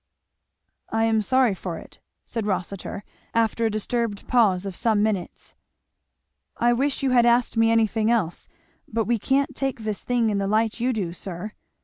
'" "I am sorry for it," said Rossitur after a disturbed pause of some minutes, "I wish you had asked me anything else; but we can't take this thing in the light you do, sir.